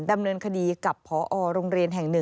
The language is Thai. ดำเนินคดีกับพอโรงเรียนแห่ง๑